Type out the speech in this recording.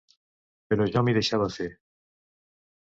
Però jo m'hi deixava fer.